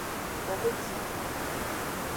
O bi di.